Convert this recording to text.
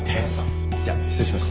じゃ失礼します。